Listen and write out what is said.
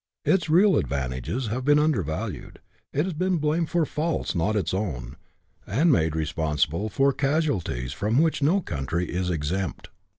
Its real advantages have been undervalued ; it has been blamed for faults not its own, and made responsible for casualties from which no country is exempt.